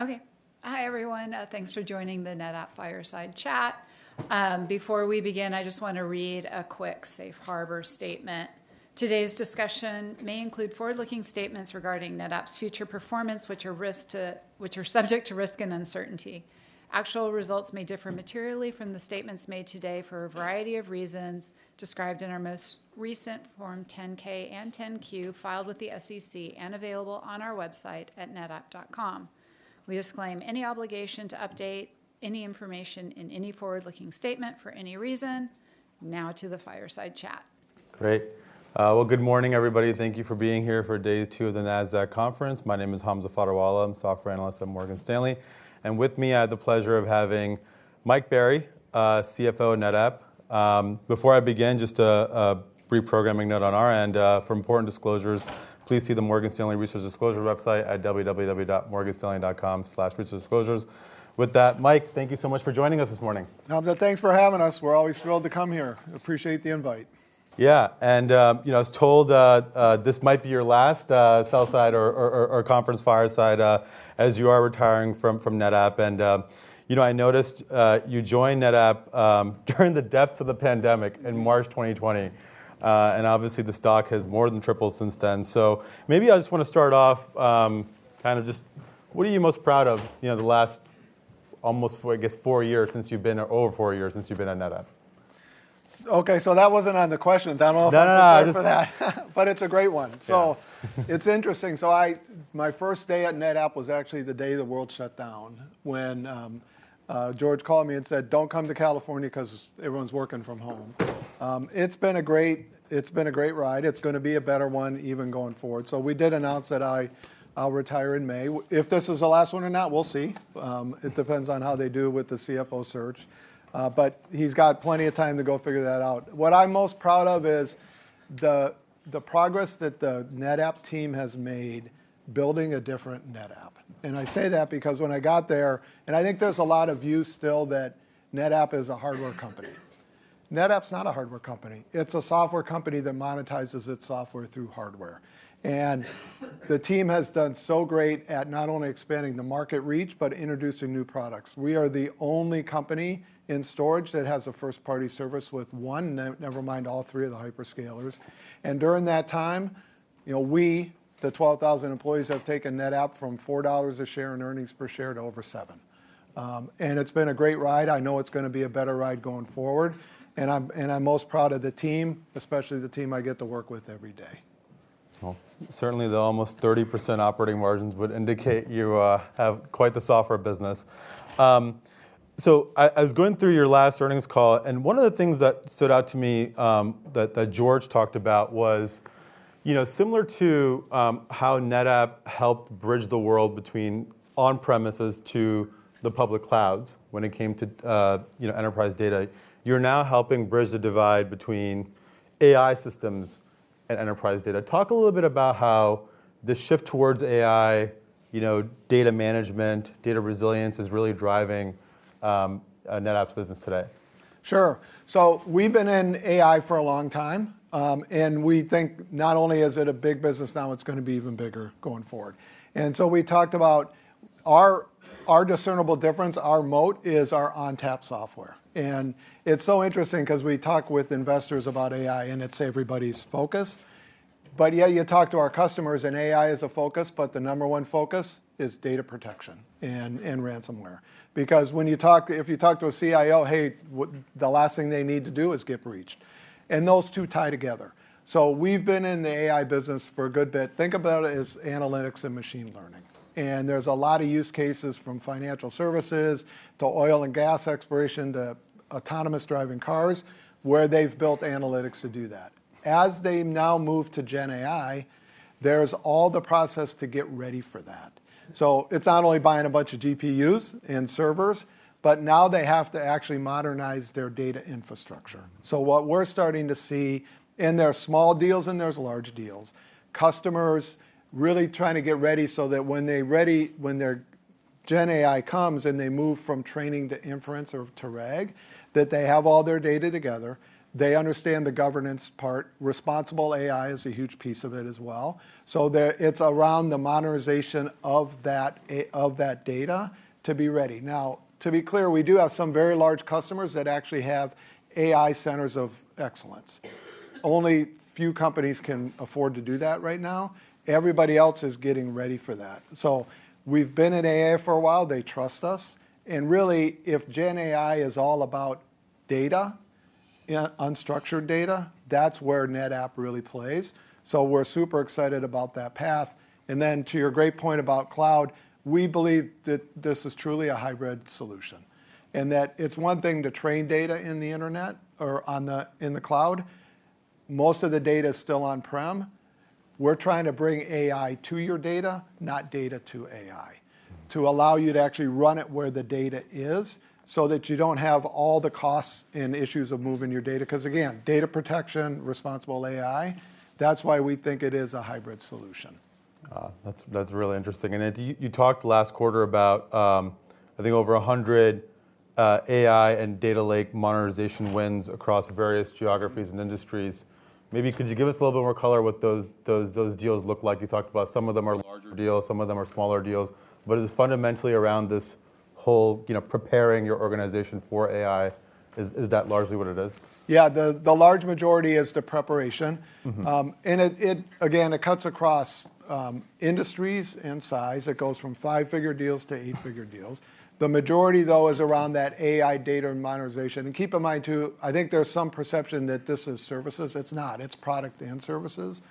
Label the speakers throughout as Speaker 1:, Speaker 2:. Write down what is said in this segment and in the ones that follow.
Speaker 1: Okay. Hi, everyone. Thanks for joining the NetApp Fireside Chat. Before we begin, I just want to read a quick safe harbor statement. Today's discussion may include forward-looking statements regarding NetApp's future performance, which are subject to risk and uncertainty. Actual results may differ materially from the statements made today for a variety of reasons described in our most recent Form 10-K and 10-Q filed with the SEC and available on our website at netapp.com. We disclaim any obligation to update any information in any forward-looking statement for any reason. Now to the Fireside Chat.
Speaker 2: Great. Well, good morning, everybody. Thank you for being here for day two of the NASDAQ Conference. My name is Hamza Fadderwala. I'm a software analyst at Morgan Stanley. And with me, I have the pleasure of having Mike Berry, CFO of NetApp. Before I begin, just a brief programming note on our end. For important disclosures, please see the Morgan Stanley Research Disclosures website at www.morganstanley.com/researchdisclosures. With that, Mike, thank you so much for joining us this morning.
Speaker 3: Hamza, thanks for having us. We're always thrilled to come here. Appreciate the invite.
Speaker 2: Yeah. And I was told this might be your last sell-side or conference fireside as you are retiring from NetApp. And I noticed you joined NetApp during the depths of the pandemic in March 2020. And obviously, the stock has more than tripled since then. So maybe I just want to start off kind of just what are you most proud of the last, I guess, four years since you've been or over four years since you've been at NetApp?
Speaker 3: OK, so that wasn't on the questions. I don't know if I'm ready for that.
Speaker 2: No, no, no.
Speaker 3: But it's a great one. So it's interesting. So my first day at NetApp was actually the day the world shut down when George called me and said, don't come to California because everyone's working from home. It's been a great ride. It's going to be a better one even going forward. So we did announce that I'll retire in May. If this is the last one or not, we'll see. It depends on how they do with the CFO search. But he's got plenty of time to go figure that out. What I'm most proud of is the progress that the NetApp team has made building a different NetApp. And I say that because when I got there and I think there's a lot of views still that NetApp is a hardware company. NetApp's not a hardware company. It's a software company that monetizes its software through hardware. And the team has done so great at not only expanding the market reach, but introducing new products. We are the only company in storage that has a first-party service with one, never mind all three of the hyperscalers. And during that time, we, the 12,000 employees, have taken NetApp from $4 a share in earnings per share to over $7. And it's been a great ride. I know it's going to be a better ride going forward. And I'm most proud of the team, especially the team I get to work with every day.
Speaker 2: Certainly, the almost 30% operating margins would indicate you have quite the software business. I was going through your last earnings call. One of the things that stood out to me that George talked about was similar to how NetApp helped bridge the world between on-premises to the public clouds when it came to enterprise data. You're now helping bridge the divide between AI systems and enterprise data. Talk a little bit about how the shift towards AI, data management, data resilience is really driving NetApp's business today.
Speaker 3: Sure. So we've been in AI for a long time. And we think not only is it a big business now, it's going to be even bigger going forward. And so we talked about our discernible difference, our moat is our ONTAP software. And it's so interesting because we talk with investors about AI, and it's everybody's focus. But yet you talk to our customers, and AI is a focus, but the number one focus is data protection and ransomware. Because if you talk to a CIO, hey, the last thing they need to do is get breached. And those two tie together. So we've been in the AI business for a good bit. Think about it as analytics and machine learning. And there's a lot of use cases from financial services to oil and gas exploration to autonomous driving cars where they've built analytics to do that. As they now move to GenAI, there's all the process to get ready for that. So it's not only buying a bunch of GPUs and servers, but now they have to actually modernize their data infrastructure. So what we're starting to see in their small deals and large deals, customers really trying to get ready so that when they're ready, when their GenAI comes and they move from training to inference or to edge, that they have all their data together. They understand the governance part. Responsible AI is a huge piece of it as well. So it's around the modernization of that data to be ready. Now, to be clear, we do have some very large customers that actually have AI centers of excellence. Only a few companies can afford to do that right now. Everybody else is getting ready for that. We've been in AI for a while. They trust us. And really, if GenAI is all about data, unstructured data, that's where NetApp really plays. We're super excited about that path. And then to your great point about cloud, we believe that this is truly a hybrid solution. And that it's one thing to train, data on the internet or in the cloud. Most of the data is still on-prem. We're trying to bring AI to your data, not data to AI, to allow you to actually run it where the data is so that you don't have all the costs and issues of moving your data. Because again, data protection, responsible AI, that's why we think it is a hybrid solution.
Speaker 2: That's really interesting. And you talked last quarter about, I think, over 100 AI and data lake modernization wins across various geographies and industries. Maybe could you give us a little bit more color what those deals look like? You talked about some of them are larger deals, some of them are smaller deals. But is it fundamentally around this whole preparing your organization for AI? Is that largely what it is?
Speaker 3: Yeah, the large majority is the preparation. And again, it cuts across industries and size. It goes from five-figure deals to eight-figure deals. The majority, though, is around that AI data and modernization. And keep in mind, too, I think there's some perception that this is services. It's not. It's product and services.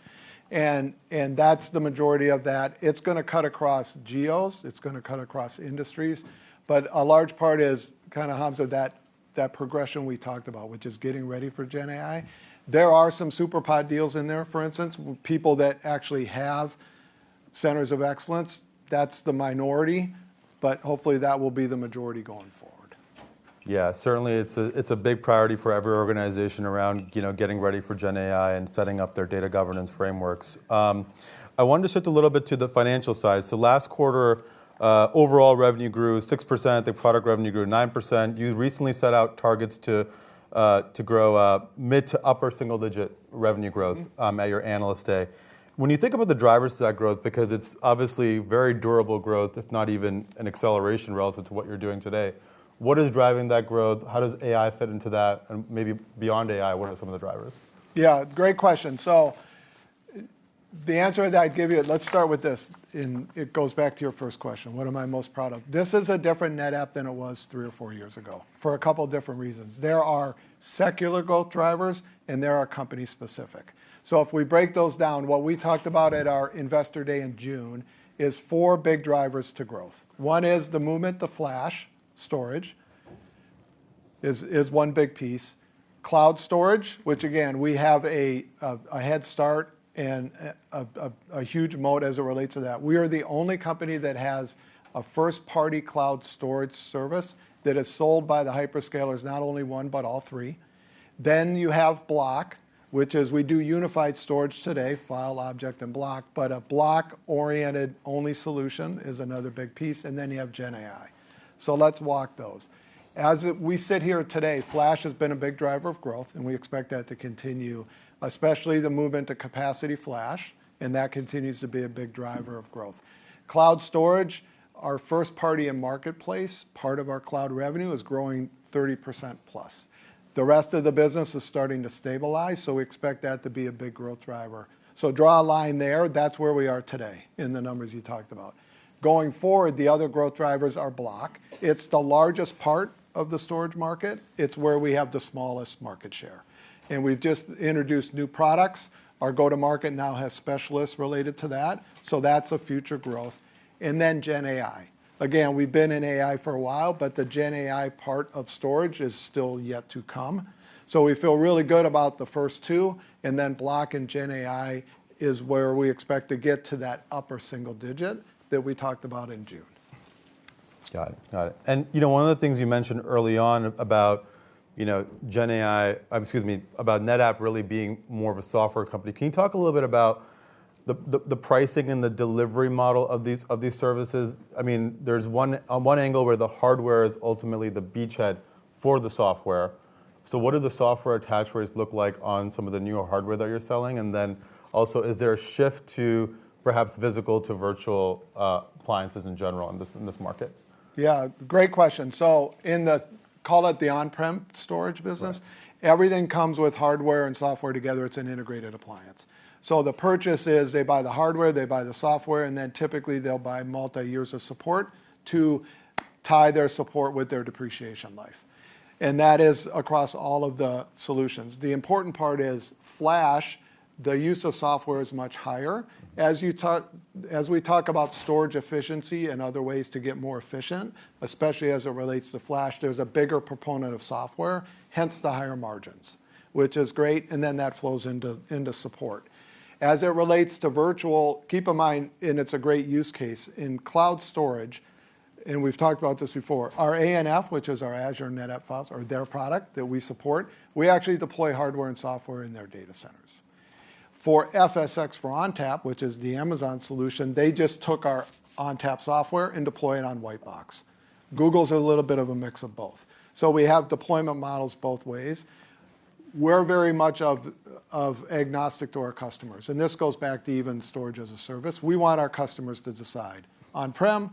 Speaker 3: And that's the majority of that. It's going to cut across geos. It's going to cut across industries. But a large part is kind of Hamza, that progression we talked about, which is getting ready for GenAI. There are some SuperPOD deals in there, for instance, people that actually have centers of excellence. That's the minority. But hopefully, that will be the majority going forward.
Speaker 2: Yeah, certainly, it's a big priority for every organization around getting ready for GenAI and setting up their data governance frameworks. I wanted to shift a little bit to the financial side. So last quarter, overall revenue grew 6%. The product revenue grew 9%. You recently set out targets to grow mid to upper single-digit revenue growth at your analyst day. When you think about the drivers of that growth, because it's obviously very durable growth, if not even an acceleration relative to what you're doing today, what is driving that growth? How does AI fit into that? And maybe beyond AI, what are some of the drivers?
Speaker 3: Yeah, great question. So the answer that I'd give you, let's start with this. And it goes back to your first question. What am I most proud of? This is a different NetApp than it was three or four years ago for a couple of different reasons. There are secular growth drivers, and there are company-specific. So if we break those down, what we talked about at our investor day in June is four big drivers to growth. One is the movement to flash storage is one big piece. Cloud storage, which again, we have a head start and a huge moat as it relates to that. We are the only company that has a first-party cloud storage service that is sold by the hyperscalers, not only one, but all three. Then you have block, which is we do unified storage today, file, object, and block. But a block-oriented-only solution is another big piece. And then you have GenAI. So let's walk those. As we sit here today, flash has been a big driver of growth, and we expect that to continue, especially the movement to capacity flash. And that continues to be a big driver of growth. Cloud storage, our first-party and marketplace part of our cloud revenue is growing 30% plus. The rest of the business is starting to stabilize. So we expect that to be a big growth driver. So draw a line there. That's where we are today in the numbers you talked about. Going forward, the other growth drivers are block. It's the largest part of the storage market. It's where we have the smallest market share. And we've just introduced new products. Our go-to-market now has specialists related to that. So that's a future growth. And then GenAI. Again, we've been in AI for a while, but the GenAI part of storage is still yet to come. So we feel really good about the first two. And then block and GenAI is where we expect to get to that upper single digit that we talked about in June.
Speaker 2: Got it. Got it. And one of the things you mentioned early on about GenAI, excuse me, about NetApp really being more of a software company. Can you talk a little bit about the pricing and the delivery model of these services? I mean, there's one angle where the hardware is ultimately the beachhead for the software. So what do the software attachments look like on some of the newer hardware that you're selling? And then also, is there a shift to perhaps physical to virtual appliances in general in this market?
Speaker 3: Yeah, great question, so in the, call it the on-prem storage business, everything comes with hardware and software together. It's an integrated appliance, so the purchase is they buy the hardware, they buy the software, and then typically they'll buy multi-years of support to tie their support with their depreciation life, and that is across all of the solutions. The important part is flash, the use of software is much higher. As we talk about storage efficiency and other ways to get more efficient, especially as it relates to flash, there's a bigger proponent of software, hence the higher margins, which is great, and then that flows into support. As it relates to virtual, keep in mind, and it's a great use case in cloud storage, and we've talked about this before. Our ANF, which is our Azure NetApp Files, or their product that we support, we actually deploy hardware and software in their data centers. For FSx for ONTAP, which is the Amazon solution, they just took our ONTAP software and deployed it on White box. Google's a little bit of a mix of both. So we have deployment models both ways. We're very much agnostic to our customers. And this goes back to even storage as a service. We want our customers to decide on-prem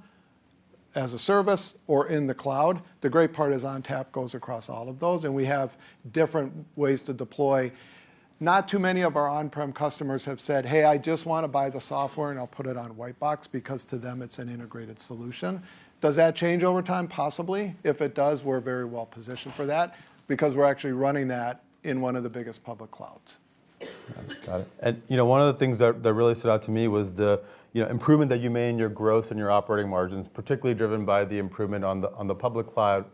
Speaker 3: as a service or in the cloud. The great part is ONTAP goes across all of those. And we have different ways to deploy. Not too many of our on-prem customers have said, hey, I just want to buy the software and I'll put it on Whitebox because to them it's an integrated solution. Does that change over time? Possibly. If it does, we're very well positioned for that because we're actually running that in one of the biggest public clouds.
Speaker 2: Got it, and one of the things that really stood out to me was the improvement that you made in your growth and your operating margins, particularly driven by the improvement on the public cloud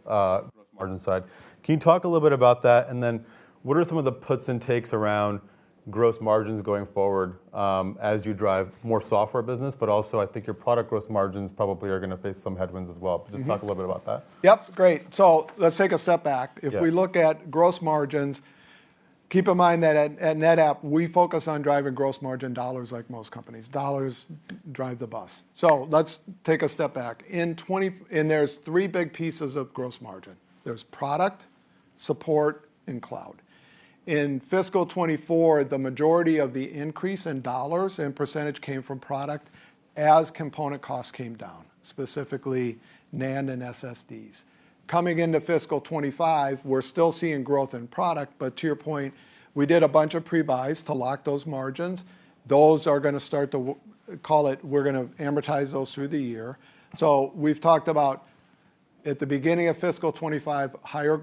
Speaker 2: margin side. Can you talk a little bit about that, and then what are some of the puts and takes around gross margins going forward as you drive more software business, but also, I think your product gross margins probably are going to face some headwinds as well. Just talk a little bit about that.
Speaker 3: Yep, great. So let's take a step back. If we look at gross margins, keep in mind that at NetApp, we focus on driving gross margin dollars like most companies. Dollars drive the bus, so let's take a step back, and there's three big pieces of gross margin. There's product, support, and cloud. In fiscal 2024, the majority of the increase in dollars and percentage came from product as component costs came down, specifically NAND and SSDs. Coming into fiscal 2025, we're still seeing growth in product. But to your point, we did a bunch of prebuys to lock those margins. Those are going to start to, call it, we're going to amortize those through the year. So we've talked about at the beginning of fiscal 2025, higher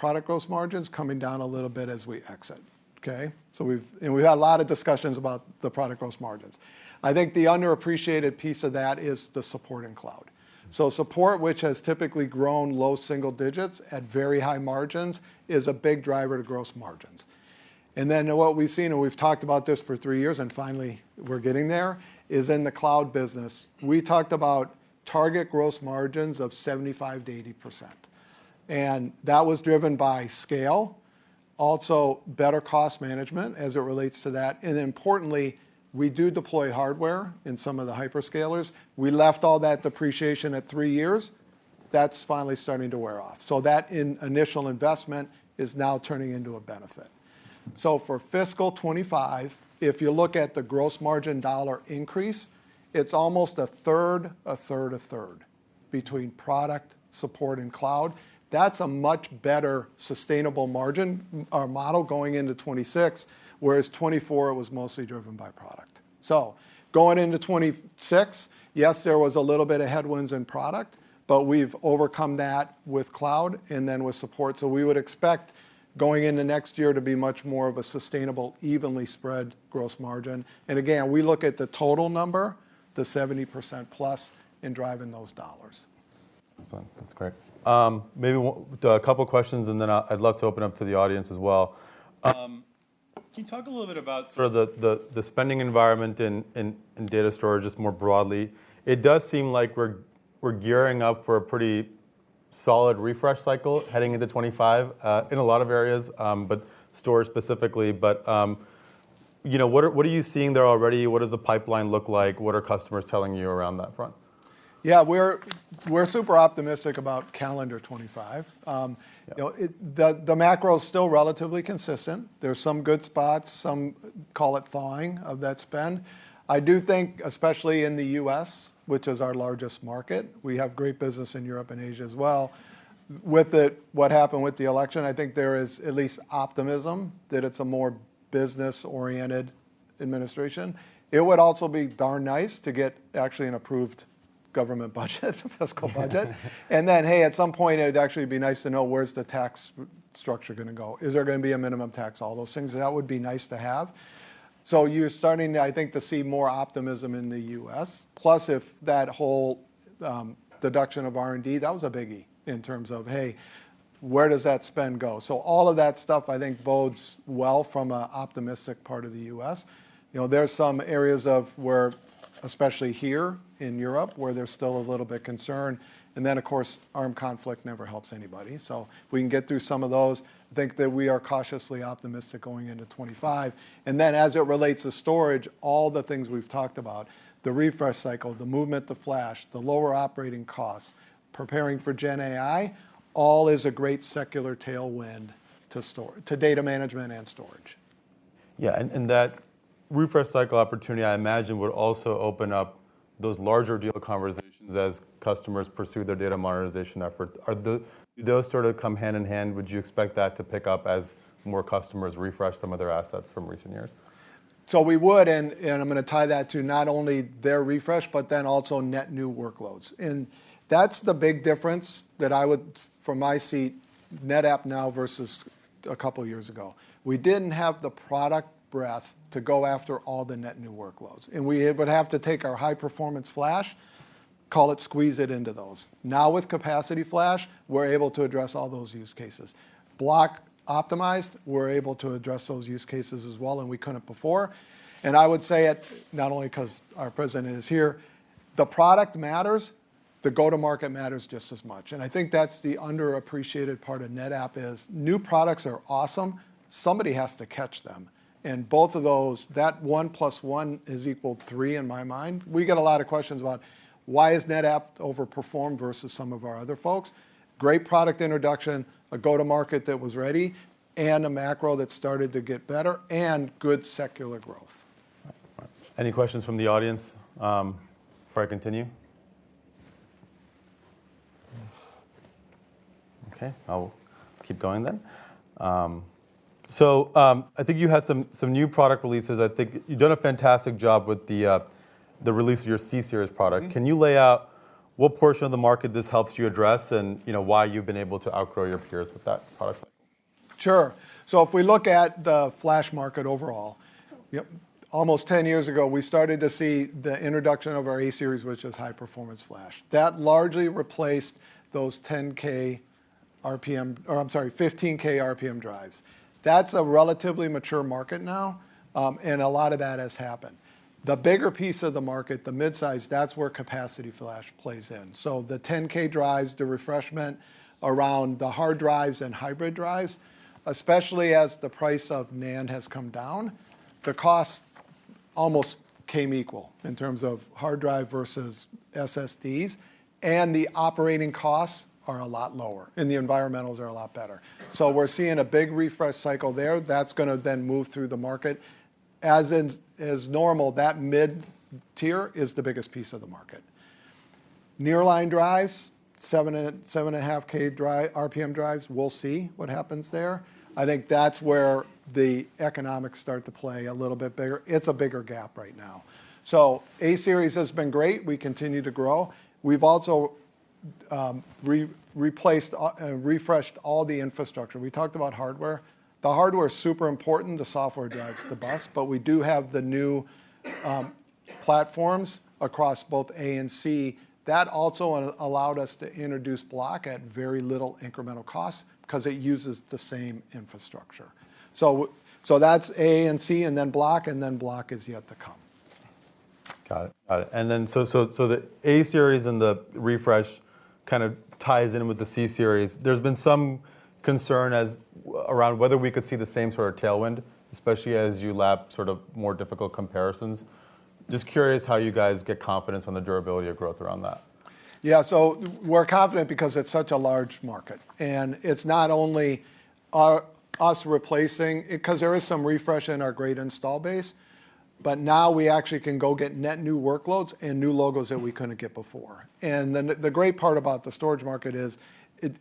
Speaker 3: product gross margins coming down a little bit as we exit. OK? We've had a lot of discussions about the product gross margins. I think the underappreciated piece of that is the support in cloud. Support, which has typically grown low single digits at very high margins, is a big driver to gross margins. What we've seen, and we've talked about this for three years, and finally we're getting there, is in the cloud business. We talked about target gross margins of 75%-80%. That was driven by scale, also better cost management as it relates to that. Importantly, we do deploy hardware in some of the hyperscalers. We left all that depreciation at three years. That's finally starting to wear off. That initial investment is now turning into a benefit. So for fiscal 2025, if you look at the gross margin dollar increase, it's almost a third, a third, a third between product, support, and cloud. That's a much better sustainable margin model going into 2026, whereas 2024 was mostly driven by product. So going into 2026, yes, there was a little bit of headwinds in product, but we've overcome that with cloud and then with support. So we would expect going into next year to be much more of a sustainable, evenly spread gross margin. And again, we look at the total number, the 70% plus in driving those dollars.
Speaker 2: That's great. Maybe a couple of questions, and then I'd love to open up to the audience as well. Can you talk a little bit about the spending environment in data storage just more broadly? It does seem like we're gearing up for a pretty solid refresh cycle heading into 2025 in a lot of areas, but storage specifically. But what are you seeing there already? What does the pipeline look like? What are customers telling you around that front?
Speaker 3: Yeah, we're super optimistic about calendar 2025. The macro is still relatively consistent. There's some good spots, some call it thawing of that spend. I do think, especially in the U.S., which is our largest market, we have great business in Europe and Asia as well. With what happened with the election, I think there is at least optimism that it's a more business-oriented administration. It would also be darn nice to get actually an approved government budget, fiscal budget, and then, hey, at some point, it would actually be nice to know where's the tax structure going to go? Is there going to be a minimum tax? All those things, that would be nice to have, so you're starting, I think, to see more optimism in the U.S. Plus, if that whole deduction of R&D, that was a biggie in terms of, hey, where does that spend go? So all of that stuff, I think, bodes well from an optimistic part of the U.S. There's some areas of where, especially here in Europe, where there's still a little bit of concern, and then, of course, armed conflict never helps anybody, so if we can get through some of those, I think that we are cautiously optimistic going into 2025, and then as it relates to storage, all the things we've talked about, the refresh cycle, the movement to flash, the lower operating costs, preparing for GenAI, all is a great secular tailwind to data management and storage.
Speaker 2: Yeah, and that refresh cycle opportunity, I imagine, would also open up those larger deal conversations as customers pursue their data modernization efforts. Do those sort of come hand in hand? Would you expect that to pick up as more customers refresh some of their assets from recent years?
Speaker 3: So we would. And I'm going to tie that to not only their refresh, but then also net new workloads. And that's the big difference that I would, from my seat, NetApp now versus a couple of years ago. We didn't have the product breadth to go after all the net new workloads. And we would have to take our high-performance flash, call it, squeeze it into those. Now with capacity flash, we're able to address all those use cases. Block optimized, we're able to address those use cases as well. And we couldn't before. And I would say it not only because our president is here, the product matters. The go-to-market matters just as much. And I think that's the underappreciated part of NetApp is new products are awesome. Somebody has to catch them. And both of those, that one plus one is equal to three in my mind. We get a lot of questions about why has NetApp overperformed versus some of our other folks? Great product introduction, a go-to-market that was ready, and a macro that started to get better, and good secular growth.
Speaker 2: Any questions from the audience before I continue? OK, I'll keep going then. So I think you had some new product releases. I think you've done a fantastic job with the release of your C-Series product. Can you lay out what portion of the market this helps you address and why you've been able to outgrow your peers with that product cycle?
Speaker 3: Sure. So if we look at the flash market overall, almost 10 years ago, we started to see the introduction of our A-Series, which is high-performance flash. That largely replaced those 10K RPM, or I'm sorry, 15K RPM drives. That's a relatively mature market now. And a lot of that has happened. The bigger piece of the market, the mid-size, that's where capacity flash plays in. So the 10K drives, the refreshment around the hard drives and hybrid drives, especially as the price of NAND has come down, the cost almost came equal in terms of hard drive versus SSDs. And the operating costs are a lot lower. And the environmentals are a lot better. So we're seeing a big refresh cycle there. That's going to then move through the market. As normal, that mid-tier is the biggest piece of the market. Nearline drives, 7.5K RPM drives, we'll see what happens there. I think that's where the economics start to play a little bit bigger. It's a bigger gap right now. So A-Series has been great. We continue to grow. We've also replaced and refreshed all the infrastructure. We talked about hardware. The hardware is super important. The software drives the bus. But we do have the new platforms across both A and C. That also allowed us to introduce Block at very little incremental cost because it uses the same infrastructure. So that's A and C, and then Block, and then Block is yet to come.
Speaker 2: Got it. Got it. And then so the A-Series and the refresh kind of ties in with the C-Series. There's been some concern around whether we could see the same sort of tailwind, especially as you lap sort of more difficult comparisons. Just curious how you guys get confidence on the durability of growth around that?
Speaker 3: Yeah, so we're confident because it's such a large market. And it's not only us replacing, because there is some refresh in our great installed base, but now we actually can go get net new workloads and new logos that we couldn't get before. And the great part about the storage market is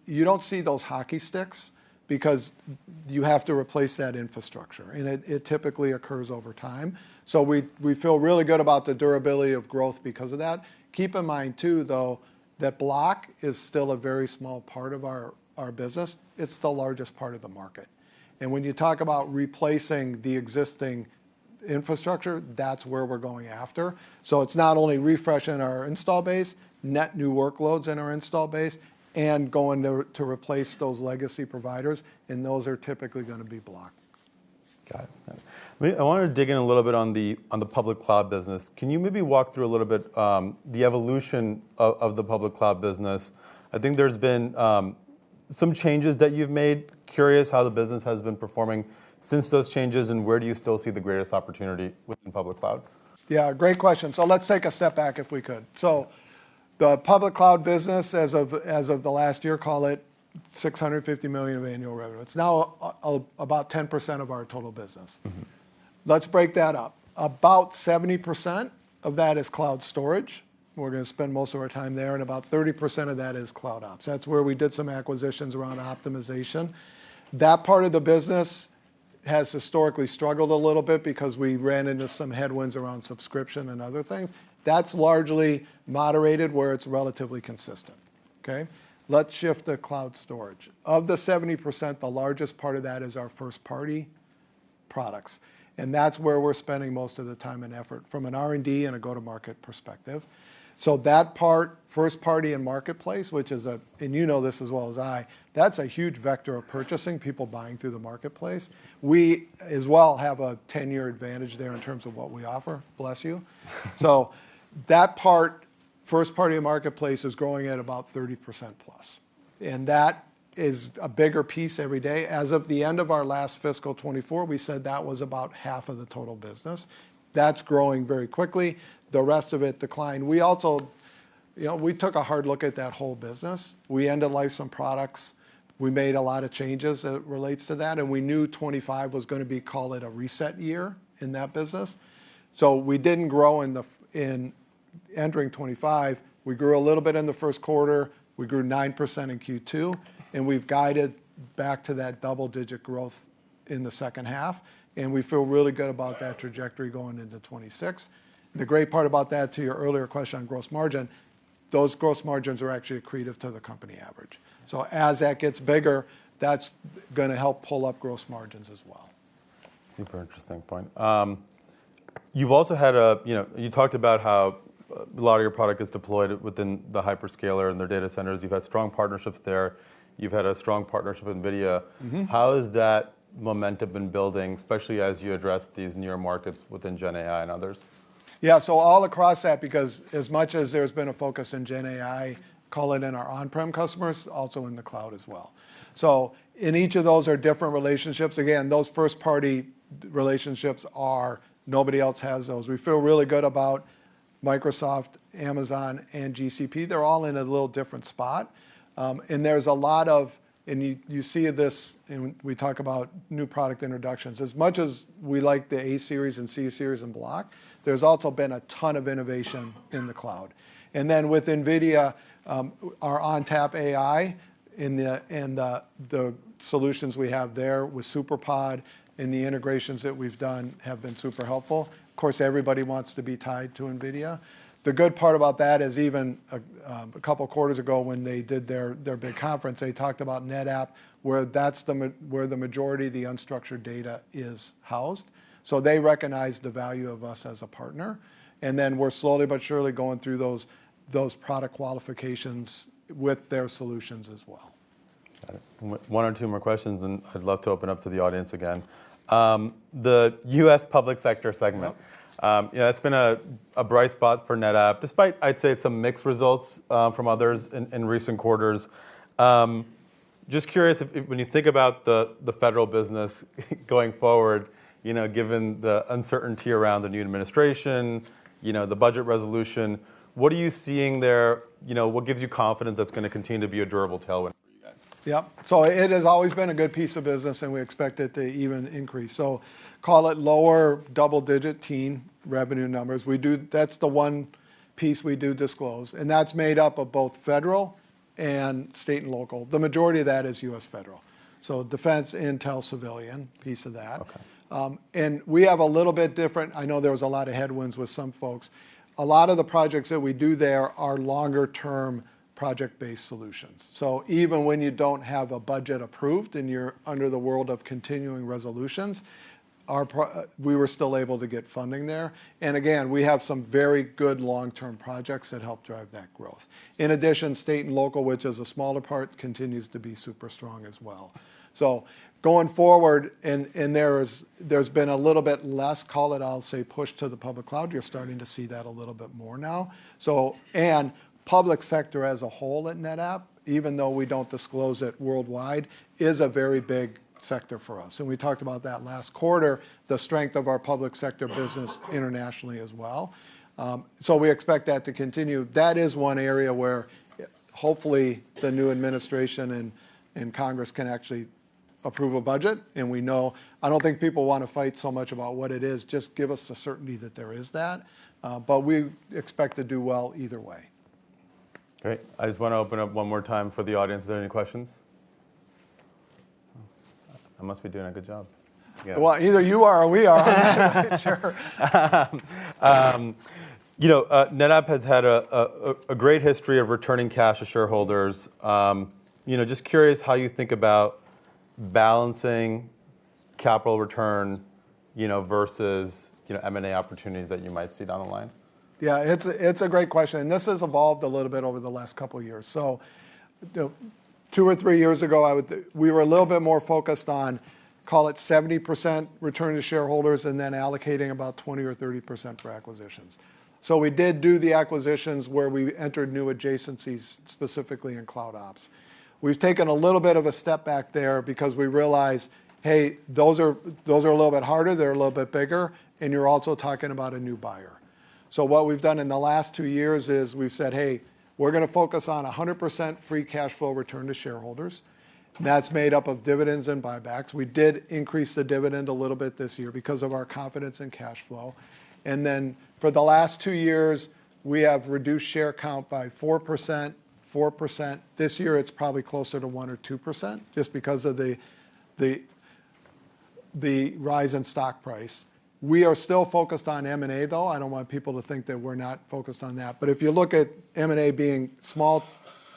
Speaker 3: you don't see those hockey sticks because you have to replace that infrastructure. And it typically occurs over time. So we feel really good about the durability of growth because of that. Keep in mind too, though, that Block is still a very small part of our business. It's the largest part of the market. And when you talk about replacing the existing infrastructure, that's where we're going after. So it's not only refreshing our installed base, net new workloads in our installed base, and going to replace those legacy providers. Those are typically going to be block.
Speaker 2: Got it. I wanted to dig in a little bit on the public cloud business. Can you maybe walk through a little bit the evolution of the public cloud business? I think there's been some changes that you've made. Curious how the business has been performing since those changes, and where do you still see the greatest opportunity within public cloud?
Speaker 3: Yeah, great question. So let's take a step back if we could. So the public cloud business, as of the last year, call it $650 million of annual revenue. It's now about 10% of our total business. Let's break that up. About 70% of that is cloud storage. We're going to spend most of our time there. And about 30% of that is cloud ops. That's where we did some acquisitions around optimization. That part of the business has historically struggled a little bit because we ran into some headwinds around subscription and other things. That's largely moderated, where it's relatively consistent. OK? Let's shift to cloud storage. Of the 70%, the largest part of that is our first-party products. And that's where we're spending most of the time and effort from an R&D and a go-to-market perspective. So that part, first-party and marketplace, which is a, and you know this as well as I, that's a huge vector of purchasing, people buying through the marketplace. We as well have a 10-year advantage there in terms of what we offer, bless you. So that part, first-party and marketplace, is growing at about 30% plus. And that is a bigger piece every day. As of the end of our last fiscal 2024, we said that was about half of the total business. That's growing very quickly. The rest of it declined. We took a hard look at that whole business. We ended life some products. We made a lot of changes that relates to that. And we knew 2025 was going to be, call it, a reset year in that business. So we didn't grow in entering 2025. We grew a little bit in the Q1. We grew 9% in Q2, and we've guided back to that double-digit growth in the second half, and we feel really good about that trajectory going into 2026. The great part about that, to your earlier question on gross margin, those gross margins are actually accretive to the company average, so as that gets bigger, that's going to help pull up gross margins as well.
Speaker 2: Super interesting point. You've also had, you talked about how a lot of your product is deployed within the hyperscalers and their data centers. You've had strong partnerships there. You've had a strong partnership with NVIDIA. How has that momentum been building, especially as you address these new markets within GenAI and others?
Speaker 3: Yeah, so all across that, because as much as there's been a focus in GenAI, call it, in our on-prem customers, also in the cloud as well, so in each of those are different relationships. Again, those first-party relationships are nobody else has those. We feel really good about Microsoft, Amazon, and GCP. They're all in a little different spot, and there's a lot of, and you see this, and we talk about new product introductions. As much as we like the A-Series and C-Series and Block, there's also been a ton of innovation in the cloud, and then with NVIDIA, our ONTAP AI and the solutions we have there with SuperPOD and the integrations that we've done have been super helpful. Of course, everybody wants to be tied to NVIDIA. The good part about that is even a couple of quarters ago when they did their big conference, they talked about NetApp, where the majority of the unstructured data is housed. So they recognize the value of us as a partner. And then we're slowly but surely going through those product qualifications with their solutions as well.
Speaker 2: Got it. One or two more questions, and I'd love to open up to the audience again. The U.S. public sector segment, it's been a bright spot for NetApp, despite, I'd say, some mixed results from others in recent quarters. Just curious, when you think about the federal business going forward, given the uncertainty around the new administration, the budget resolution, what are you seeing there? What gives you confidence that's going to continue to be a durable tailwind for you guys?
Speaker 3: Yep. So it has always been a good piece of business, and we expect it to even increase. So call it lower double-digit teen revenue numbers. That's the one piece we do disclose. And that's made up of both federal and state and local. The majority of that is U.S. federal. So defense, intel, civilian piece of that. And we have a little bit different. I know there was a lot of headwinds with some folks. A lot of the projects that we do there are longer-term project-based solutions. So even when you don't have a budget approved and you're under the world of continuing resolutions, we were still able to get funding there. And again, we have some very good long-term projects that help drive that growth. In addition, state and local, which is a smaller part, continues to be super strong as well. So, going forward, and there's been a little bit less, call it, I'll say, push to the public cloud. You're starting to see that a little bit more now. And public sector as a whole at NetApp, even though we don't disclose it worldwide, is a very big sector for us. And we talked about that last quarter, the strength of our public sector business internationally as well. So we expect that to continue. That is one area where hopefully the new administration and Congress can actually approve a budget. And we know, I don't think people want to fight so much about what it is. Just give us the certainty that there is that. But we expect to do well either way.
Speaker 2: Great. I just want to open up one more time for the audience. Is there any questions? I must be doing a good job.
Speaker 3: Either you are or we are.
Speaker 2: Sure. NetApp has had a great history of returning cash to shareholders. Just curious how you think about balancing capital return versus M&A opportunities that you might see down the line.
Speaker 3: Yeah, it's a great question. And this has evolved a little bit over the last couple of years. So two or three years ago, we were a little bit more focused on, call it, 70% return to shareholders and then allocating about 20% or 30% for acquisitions. So we did do the acquisitions where we entered new adjacencies specifically in Cloud Ops. We've taken a little bit of a step back there because we realized, hey, those are a little bit harder. They're a little bit bigger. And you're also talking about a new buyer. So what we've done in the last two years is we've said, hey, we're going to focus on 100% free cash flow return to shareholders. That's made up of dividends and buybacks. We did increase the dividend a little bit this year because of our confidence in cash flow. For the last two years, we have reduced share count by 4%, 4%. This year, it's probably closer to 1% or 2% just because of the rise in stock price. We are still focused on M&A, though. I don't want people to think that we're not focused on that. If you look at M&A being small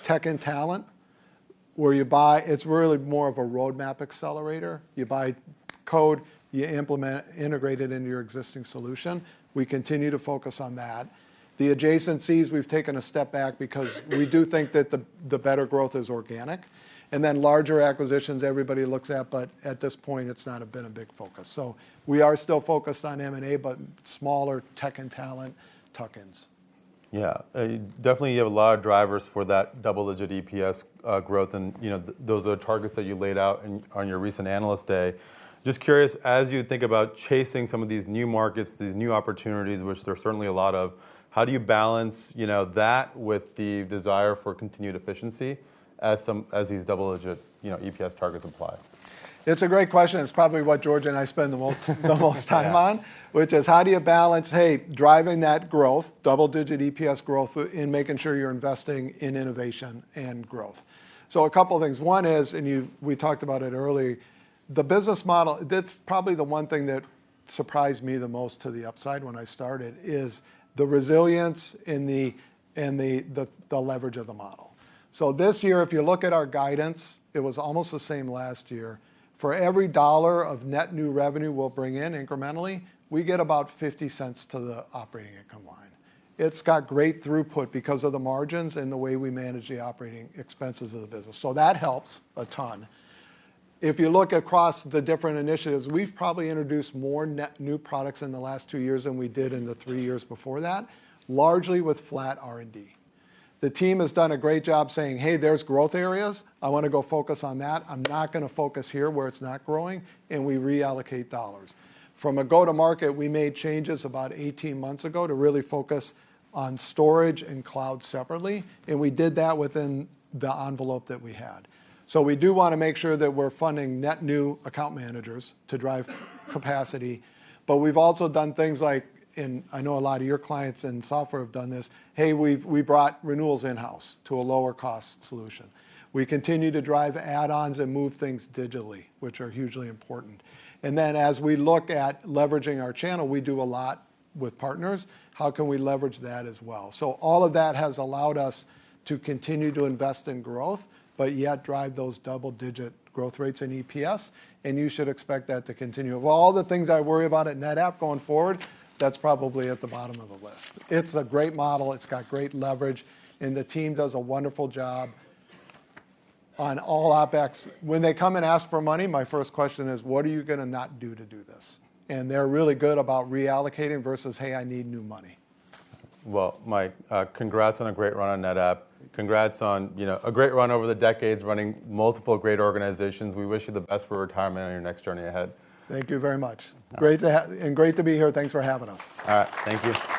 Speaker 3: tech and talent, where you buy, it's really more of a roadmap accelerator. You buy code, you integrate it into your existing solution. We continue to focus on that. The adjacencies, we've taken a step back because we do think that the better growth is organic. Larger acquisitions, everybody looks at. At this point, it's not been a big focus. We are still focused on M&A, but smaller tech and talent, tuck-ins.
Speaker 2: Yeah. Definitely, you have a lot of drivers for that double-digit EPS growth. And those are targets that you laid out on your recent analyst day. Just curious, as you think about chasing some of these new markets, these new opportunities, which there are certainly a lot of, how do you balance that with the desire for continued efficiency as these double-digit EPS targets apply?
Speaker 3: It's a great question. It's probably what George and I spend the most time on, which is how do you balance, hey, driving that growth, double-digit EPS growth, and making sure you're investing in innovation and growth. So a couple of things. One is, and we talked about it early, the business model, that's probably the one thing that surprised me the most to the upside when I started is the resilience and the leverage of the model. So this year, if you look at our guidance, it was almost the same last year. For every dollar of net new revenue we'll bring in incrementally, we get about $0.50 to the operating income line. It's got great throughput because of the margins and the way we manage the operating expenses of the business. So that helps a ton. If you look across the different initiatives, we've probably introduced more new products in the last two years than we did in the three years before that, largely with flat R&D. The team has done a great job saying, "Hey, there's growth areas. I want to go focus on that. I'm not going to focus here where it's not growing." And we reallocate dollars. From a go-to-market, we made changes about 18 months ago to really focus on storage and cloud separately. And we did that within the envelope that we had. So we do want to make sure that we're funding net new account managers to drive capacity. But we've also done things like, and I know a lot of your clients in software have done this, "hey, we brought renewals in-house to a lower-cost solution." We continue to drive add-ons and move things digitally, which are hugely important. And then as we look at leveraging our channel, we do a lot with partners. How can we leverage that as well? So all of that has allowed us to continue to invest in growth, but yet drive those double-digit growth rates in EPS. And you should expect that to continue. Of all the things I worry about at NetApp going forward, that's probably at the bottom of the list. It's a great model. It's got great leverage. And the team does a wonderful job on all OpEx. When they come and ask for money, my first question is, what are you going to not do to do this? And they're really good about reallocating versus, hey, I need new money.
Speaker 2: Mike, congrats on a great run on NetApp. Congrats on a great run over the decades running multiple great organizations. We wish you the best for retirement on your next journey ahead.
Speaker 3: Thank you very much, and great to be here. Thanks for having us.
Speaker 2: All right. Thank you.